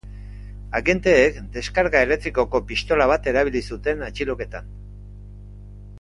Agenteek deskarga elektrikoko pistola bat erabili zuten atxiloketan.